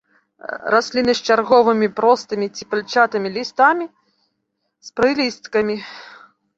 Расліны з чарговымі простымі ці пальчатымі лістамі з прылісткамі.